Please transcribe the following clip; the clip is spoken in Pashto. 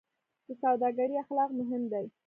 د سوداګرۍ اخلاق مهم دي